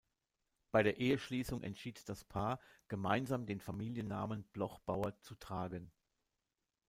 Bei der Eheschließung entschied das Paar, gemeinsam den Familiennamen Bloch-Bauer zu tragen.